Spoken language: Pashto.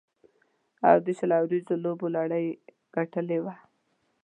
او د شل اوریزو لوبو لړۍ یې ګټلې وه.